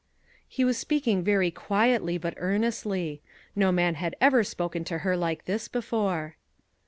He was speaking very quietly but earnestly. No man had ever spoken to her like this before.